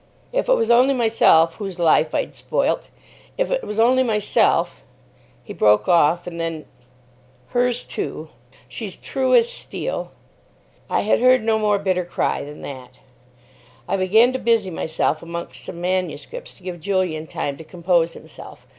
If it was only myself whose life I'd spoilt—if it was only myself——" He broke off. And then, "Hers too. She's true as steel." I had heard no more bitter cry than that. I began to busy myself amongst some manuscripts to give Julian time to compose himself.